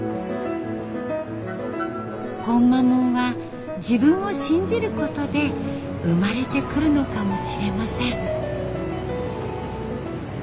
「ほんまもん」は自分を信じることで生まれてくるのかもしれません。